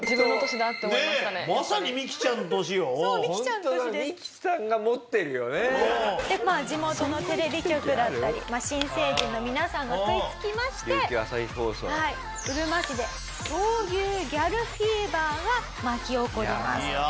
でまあ地元のテレビ局だったり新成人の皆さんが食いつきましてうるま市で闘牛ギャルフィーバーが巻き起こります。